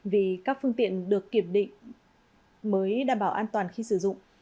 vì các phương tiện được kiểm định mới đảm bảo an toàn khi sử dụng